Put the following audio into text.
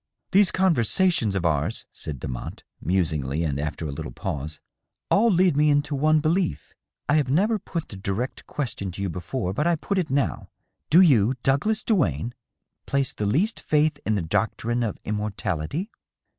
" These conversations of ours," said Demotte, musingly and after a little pause, " all lead me into one belief. I have never put the direct question to you before, but I put it now. Do you, Douglas Duane, place the least faith in the doctrine of immortality